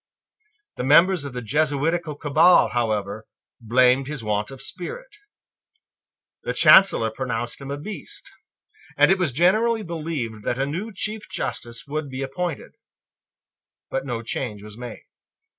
The members of the Jesuitical cabal, however, blamed his want of spirit; the Chancellor pronounced him a beast; and it was generally believed that a new Chief Justice would be appointed. But no change was made.